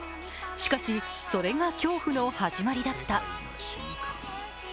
しかし、それが恐怖の始まりだった。